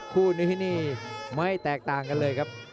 คู่นี้นี่ไม่แตกต่างกันเลยครับ